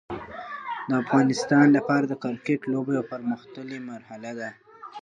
د افغانستان لپاره د کرکټ لوبه یو پرمختللی مرحله ده.